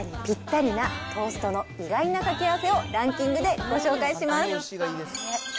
きょうは忙しい朝にぴったりなトーストの意外な掛け合わせをランキングでご紹介します。